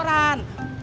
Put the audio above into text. pada mana ya